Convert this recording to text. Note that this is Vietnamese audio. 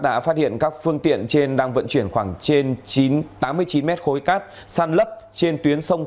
đã phát hiện các phương tiện trên đang vận chuyển khoảng trên tám mươi chín mét khối cát săn lấp trên tuyến sông